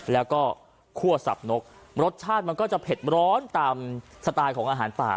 แล้วก็คั่วสับนกรสชาติมันก็จะเผ็ดร้อนตามสไตล์ของอาหารป่า